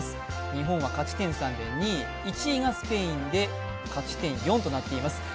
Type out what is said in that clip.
日本は勝ち点３で２位、１位がスペインで勝ち点４となっています。